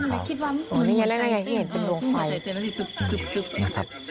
นี่ไงเป็นดวงไฟ